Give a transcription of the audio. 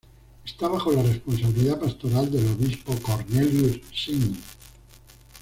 Está bajo la responsabilidad pastoral del obispo Cornelius Sim.